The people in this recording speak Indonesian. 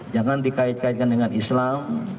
jangan dikait kaitkan dengan islam